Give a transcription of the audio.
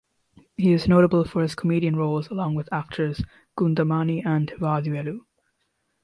He is notable for his comedian roles along with actors Goundamani and Vadivelu.